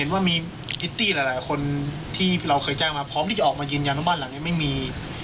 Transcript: พี่อยากจะออกมายืนยังบ้านหลังนี้ไม่มี